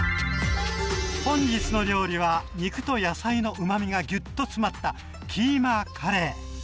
本日の料理は肉と野菜のうまみがギュッと詰まったキーマカレー。